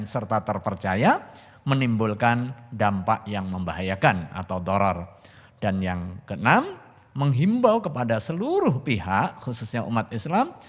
serta kemampuan pemerintah